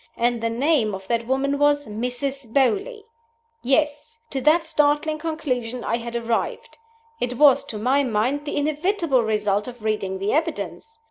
And the name of that woman was Mrs. Beauly! Yes! To that startling conclusion I had arrived. It was, to my mind, the inevitable result of reading the evidence.